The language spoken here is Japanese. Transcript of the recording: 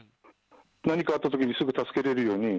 何かあったときに、すぐ助けれるように。